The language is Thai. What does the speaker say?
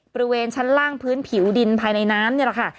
บริเวณชั้นล่างพื้นผิวดินภายในน้ำนี่แหละค่ะ